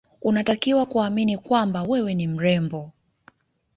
Unatakiwa kuamini kwamba wewe ni mrembo